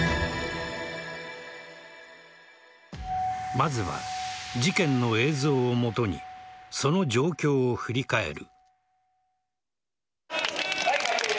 まずは事件の映像を基にその状況を振り返る。